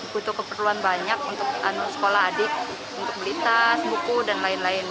butuh keperluan banyak untuk sekolah adik untuk beli tas buku dan lain lain